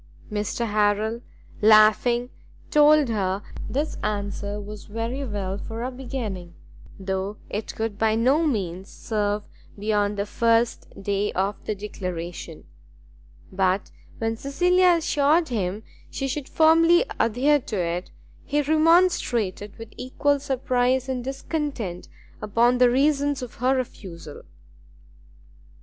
Mr Harrel, laughing, told her this answer was very well for a beginning, though it would by no means serve beyond the first day of the declaration; but when Cecilia assured him she should firmly adhere to it, he remonstrated with equal surprise and discontent upon the reasons of her refusal.